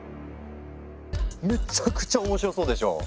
めちゃくちゃ面白そうでしょ。